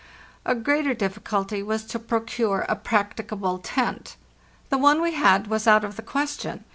A greater difficulty was to procure a practicable tent. The one we had had was out of the question.